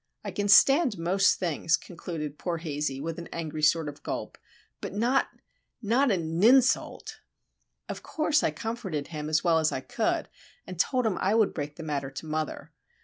I can stand most things," concluded poor Hazey, with an angry sort of gulp, "but not, not an 'ninsult!" Of course I comforted him as well as I could, and told him I would break the matter to mother.